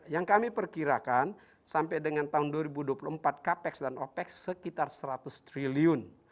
yang kami perkirakan sampai dengan tahun dua ribu dua puluh empat capex dan opex sekitar seratus triliun